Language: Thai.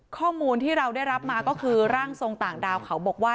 ข้อมูลที่เราได้รับมาก็คือร่างทรงต่างดาวเขาบอกว่า